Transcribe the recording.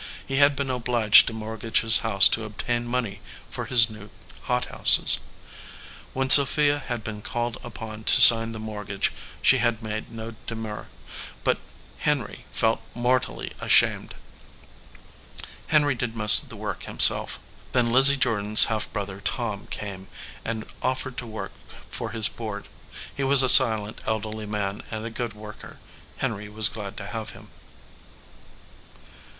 He had been obliged to mortgage his house to ob tain money for his new hothouses. When Sophia had been called upon to sign the mortgage she had made no demur, but Henry felt mortally ashamed. Henry did most of the work himself. Then Lizzie Jordan s half brother Tom came and offered to work for his board. He was a silent, elderly man and a good worker. Henry was glad to have him.